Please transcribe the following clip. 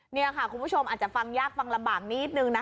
นี่ค่ะคุณผู้ชมอาจจะฟังยากฟังลำบากนิดนึงนะ